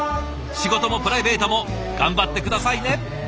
仕事もプライベートも頑張って下さいね！